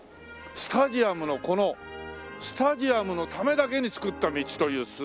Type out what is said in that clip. スタジアムのこのスタジアムのためだけに造った道という。